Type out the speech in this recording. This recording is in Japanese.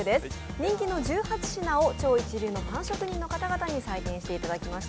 人気の１８品を超一流のパン職人の方々に採点していただきました。